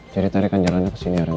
jadi tarikan jalannya kesini ya rena